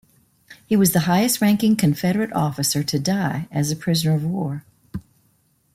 He was the highest ranking Confederate officer to die as a prisoner of war.